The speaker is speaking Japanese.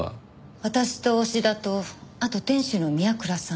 私と押田とあと店主の宮倉さん。